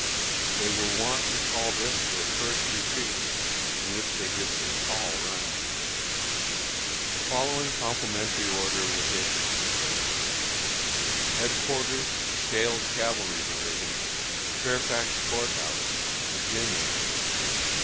They were wont to call this their first retreat, in which they did some tall running. The following complimentary order was issued: HEADQUARTERS STAHEL'S CAVALRY DIVISION, Fairfax Court House, Va.